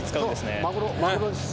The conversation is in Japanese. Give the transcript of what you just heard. そうマグロです。